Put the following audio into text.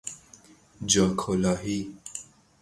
جا کلاهی